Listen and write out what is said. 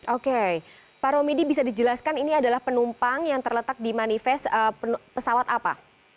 oke pak romidi bisa dijelaskan ini adalah penumpang yang terletak di manifest pesawat apa